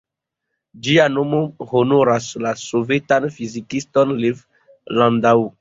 Ĝia nomo honoras la sovetan fizikiston Lev Landau.